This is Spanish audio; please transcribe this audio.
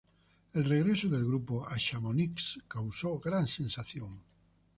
El regreso del grupo a Chamonix causó gran sensación.